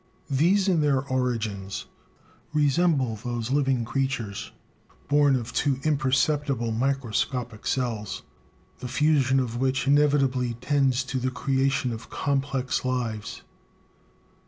These, in their origins, resemble those living creatures, born of two imperceptible microscopic cells, the fusion of which inevitably tends to the creation of complex lives.